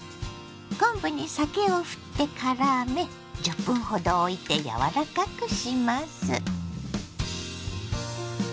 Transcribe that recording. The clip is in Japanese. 昆布に酒をふってからめ１０分ほどおいて柔らかくします。